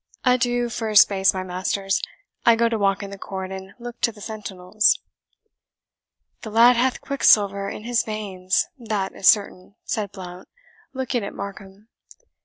Adieu for a space, my masters. I go to walk in the court and look to the sentinels." "The lad hath quicksilver in his veins, that is certain," said Blount, looking at Markham.